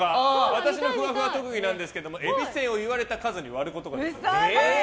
私のふわふわ特技ですがえびせんを言われた数に割ることができます。